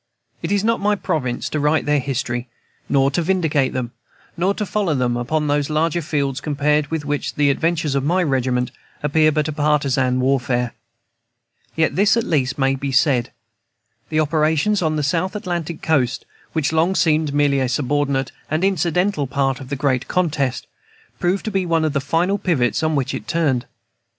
It is not my province to write their history, nor to vindicate them, nor to follow them upon those larger fields compared with which the adventures of my regiment appear but a partisan warfare. Yet this, at least, may be said. The operations on the South Atlantic coast, which long seemed a merely subordinate and incidental part of the great contest, proved to be one of the final pivots on which it turned.